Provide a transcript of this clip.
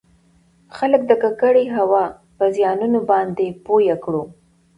خلــک د ککـړې هـوا پـه زيـانونو بانـدې پـوه کـړو٫